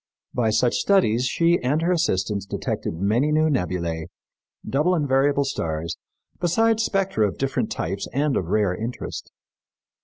By such studies she and her assistants detected many new nebulæ, double and variable stars, besides spectra of different types and of rare interest.